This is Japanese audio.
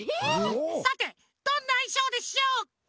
さてどんないしょうでしょうか？